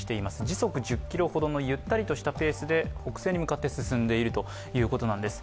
時速１０キロほどのゆったりとしたペースで北西に進んでいるということです。